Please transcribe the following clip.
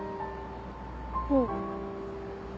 うん。